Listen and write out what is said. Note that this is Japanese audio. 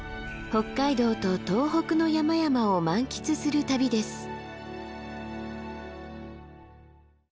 北海道と東北の山々を満喫する旅です。